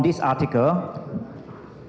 dari artikel ini